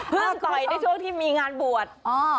ต่อยในช่วงที่มีงานบวช